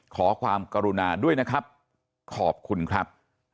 ขอความกรุณาด้วยนะครับขอบคุณครับ